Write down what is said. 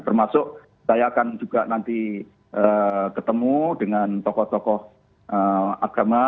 termasuk saya akan juga nanti ketemu dengan tokoh tokoh agama